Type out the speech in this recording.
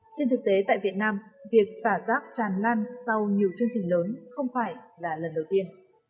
trên thực tế tại việt nam việc xả rác tràn lan sau nhiều chương trình lớn không phải là lần đầu tiên